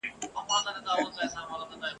سهار به څرنګه بې واکه اونازک لاسونه !.